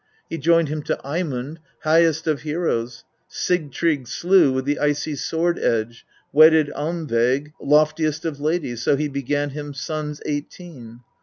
19. He joined him to Eymund, highest of heroes ; Sigtrygg slew with the icy sword edge, wedded Almveig, loftiest of ladies ; so he begat him sons eighteen.